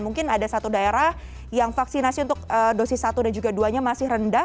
mungkin ada satu daerah yang vaksinasi untuk dosis satu dan juga dua nya masih rendah